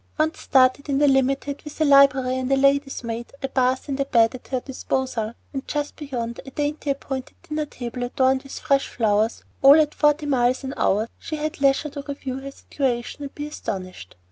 Once started in the "Limited," with a library and a lady's maid, a bath and a bed at her disposal, and just beyond a daintily appointed dinner table adorned with fresh flowers, all at forty miles an hour, she had leisure to review her situation and be astonished.